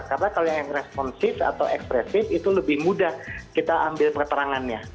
karena kalau yang responsif atau ekspresif itu lebih mudah kita ambil perterangannya